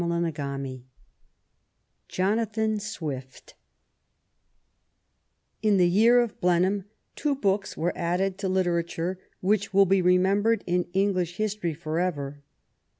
CHAPTER Xm JONATHAN SWIFT In the year of Blenheim two books were added to literature which will be remembered in English his tory forever.